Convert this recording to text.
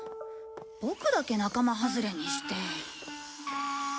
ボクだけ仲間外れにして。